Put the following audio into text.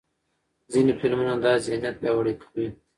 ځینې فلمونه دا ذهنیت پیاوړی کوي.